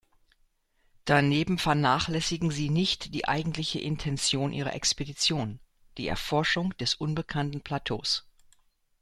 Daneben vernachlässigen sie nicht die eigentliche Intention ihrer Expedition: die Erforschung des unbekannten Plateaus.